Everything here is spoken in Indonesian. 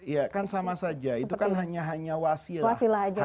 ya kan sama saja itu kan hanya wasilah